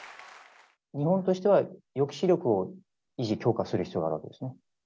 日本としては、抑止力を維持、強化する必要があるわけですね。